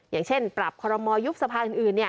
อย่างเช่นปรับคอรมอลยุบสภาอื่น